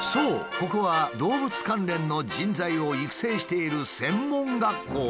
ここは動物関連の人材を育成している専門学校なのだ。